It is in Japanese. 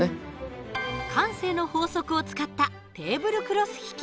慣性の法則を使ったテーブルクロス引き。